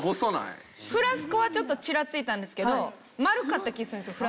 フラスコはちょっとチラついたんですけど丸かった気するんですよ